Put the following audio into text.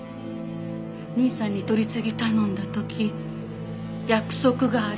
兄さんに取り次ぎ頼んだ時「約束がある」